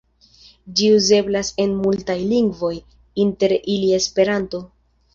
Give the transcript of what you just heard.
Ĝi uzeblas en multaj lingvoj, inter ili Esperanto.